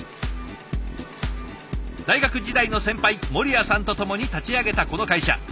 大学時代の先輩守屋さんと共に立ち上げたこの会社。